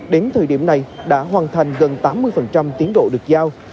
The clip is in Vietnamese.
đến thời điểm này đã hoàn thành gần tám mươi tiến độ được giao